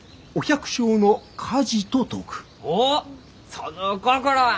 その心は？